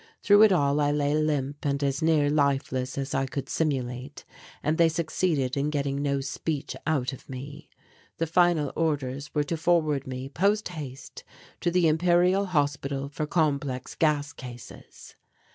Through it all I lay limp and as near lifeless as I could simulate, and they succeeded in getting no speech out of me. The final orders were to forward me post haste to the Imperial Hospital for Complex Gas Cases.